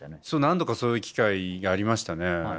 何度かそういう機会がありましたね。